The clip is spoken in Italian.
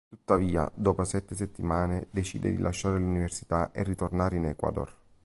Tuttavia, dopo sette settimane decide di lasciare l'università e ritornare in Ecuador.